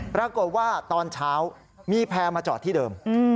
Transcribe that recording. ปรากฏว่าตอนเช้ามีแพร่มาจอดที่เดิม